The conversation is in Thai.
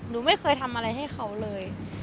หนูไม่เคยทำอะไรให้เขาเลย